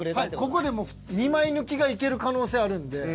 ここでもう２枚抜きがいける可能性あるんで。